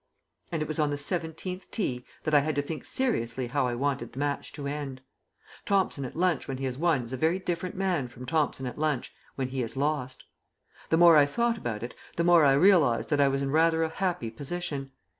And it was on the seventeenth tee that I had to think seriously how I wanted the match to end. Thomson at lunch when he has won is a very different man from Thomson at lunch when he has lost. The more I thought about it, the more I realized that I was in rather a happy position.